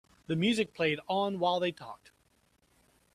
The music played on while they talked.